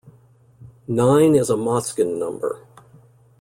Nine is a Motzkin number.